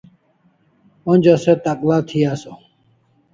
Ajo se takl'a thi asaw